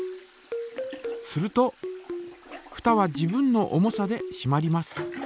するとふたは自分の重さでしまります。